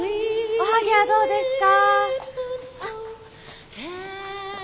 おはぎゃあどうですか？